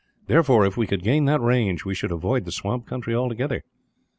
Therefore, if we could gain that range, we should avoid the swamp country, altogether.